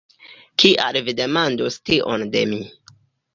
"Kial vi demandus tion de mi?